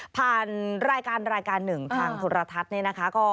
ผ่านรายการรายการหนึ่งทางธุระทัศน์